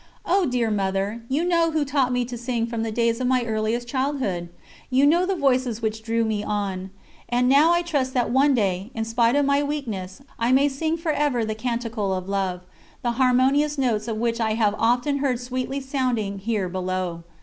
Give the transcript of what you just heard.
Oh, dear Mother, you know who taught me to sing from the days of my earliest childhood! You know the voices which drew me on. And now I trust that one day, in spite of my weakness, I may sing for ever the Canticle of Love, the harmonious notes of which I have often heard sweetly sounding here below.